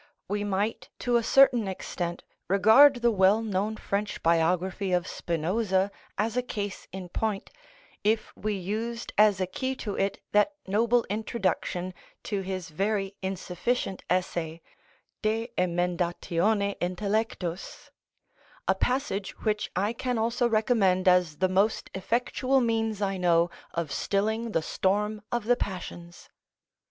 We might to a certain extent regard the well known French biography of Spinoza as a case in point, if we used as a key to it that noble introduction to his very insufficient essay, "De Emendatione Intellectus," a passage which I can also recommend as the most effectual means I know of stilling the storm of the passions.